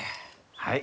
はい。